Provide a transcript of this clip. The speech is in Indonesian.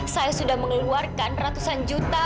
saya sudah mengeluarkan ratusan juta